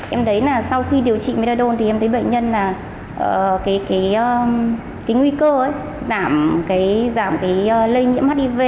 em thấy là sau khi điều trị medladon thì em thấy bệnh nhân là cái nguy cơ giảm cái lây nhiễm hiv